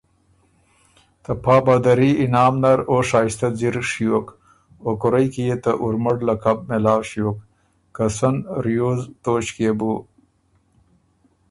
ته پا بهادري انعام نر او شائسته ځِر ڒیوک۔ او کُورئ کی يې ته اورمړ لقب مېلاؤ ݭیوک، که سن ریوز توݭکيې بو